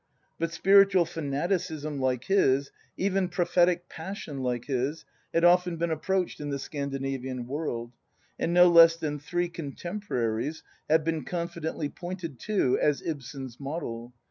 But spiritual fanaticism like his, even prophetic passion like his, had often been approached in the Scandinavian world; and no less than three contemporaries have been confidently pointed to as Ibsen's "model."